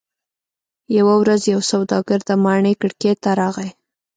یوه ورځ یو سوداګر د ماڼۍ کړکۍ ته راغی.